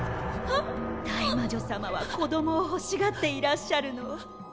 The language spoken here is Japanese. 大魔女様は子供をほしがっていらっしゃるの。